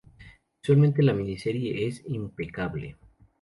Visualmente la miniserie es impecable.